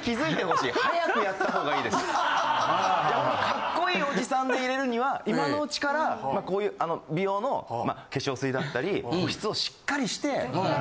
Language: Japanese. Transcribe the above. カッコいいおじさんでいれるには今のうちからまあこういう美容の化粧水だったり保湿をしっかりして。